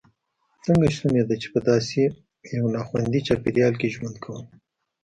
څنګه شونې ده په داسې یو ناخوندي چاپېریال کې ژوند کول.